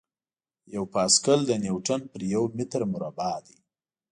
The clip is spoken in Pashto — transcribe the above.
یو پاسکل د یو نیوټن پر یو متر مربع دی.